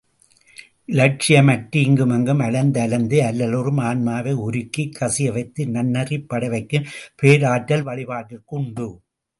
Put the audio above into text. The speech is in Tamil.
இலட்சியமற்று இங்குமங்கும் அலைந் தலைந்து அல்லலுறும் ஆன்மாவை உருக்கிக் கசியவைத்து நன்னெறிப்படவைக்கும் பேராற்றல் வழிபாட்டிற்குண்டு.